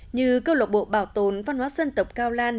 như cơ lộc bộ bảo tồn văn hoá dân tộc cao lan